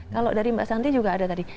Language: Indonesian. kalau dari mbak santi juga ada tadi